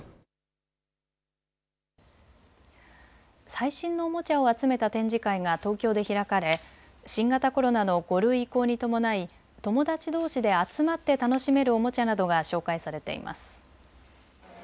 最新のおもちゃを集めた展示会が東京で開かれ新型コロナの５類移行に伴い友達どうしで集まって楽しめるおもちゃなどが紹介されています。